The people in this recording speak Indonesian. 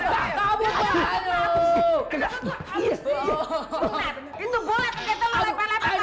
itu bola terketel lo lepar lepar